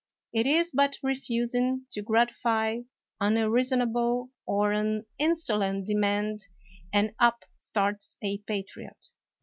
It is but refusing to gratify an un reasonable or an insolent demand, and up starts a patriot.